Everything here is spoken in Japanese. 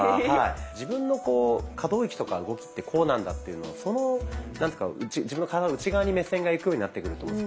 自分の可動域とか動きってこうなんだっていうのをなんていうか自分の体の内側に目線がいくようになってくると思うんですよ。